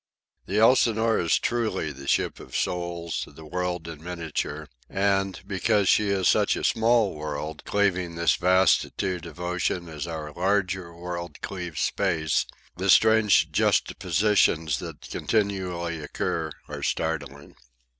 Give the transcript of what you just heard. The Elsinore is truly the ship of souls, the world in miniature; and, because she is such a small world, cleaving this vastitude of ocean as our larger world cleaves space, the strange juxtapositions that continually occur are startling.